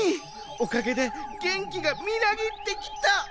おかげでげんきがみなぎってきた！